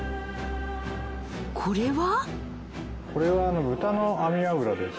これは？